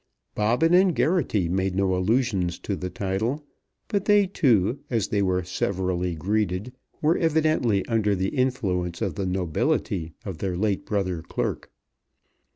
Bobbin and Geraghty made no allusions to the title, but they, too, as they were severally greeted, were evidently under the influence of the nobility of their late brother clerk.